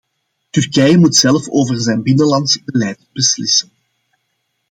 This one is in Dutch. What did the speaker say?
Turkije moet zelf over zijn binnenlands beleid beslissen.